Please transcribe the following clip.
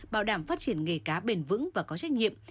bảo đảm phát triển nghề cá bền vững và có trách nhiệm